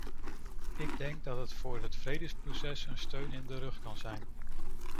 Ik denk dat dat voor het vredesproces een steun in de rug kan zijn.